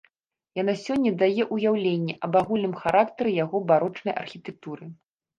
Яна сёння дае ўяўленне аб агульным характары яго барочнай архітэктуры.